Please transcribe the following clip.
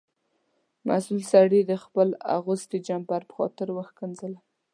مسؤل سړي د خپل اغوستي جمپر په خاطر وښکنځلم.